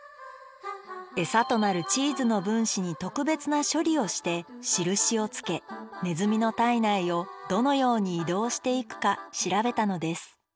餌となるチーズの分子に特別な処理をしてしるしをつけネズミの体内をどのように移動していくか調べたのです。